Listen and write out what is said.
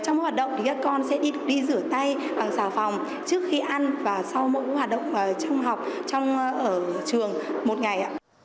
trong mỗi hoạt động thì các con sẽ đi rửa tay bằng xào phòng trước khi ăn và sau mỗi hoạt động trong học ở trường một ngày ạ